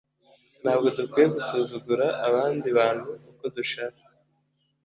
Ntabwo dukwiye gusuzugura abandi bantu uko dushatse.